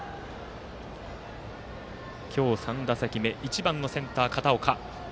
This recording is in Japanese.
今日３打席目１番のセンター、片岡。